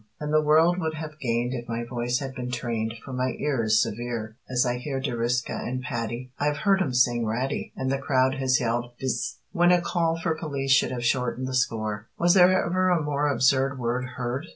And the world would have gained If my voice had been trained, For my ear Is severe, As I hear De Reszke and Patti. (I've heard 'em sing "ratty!") And the crowd has yelled "Bis!" When a call for police Should have shortened the score. Was there ever a more Absurd Word Heard?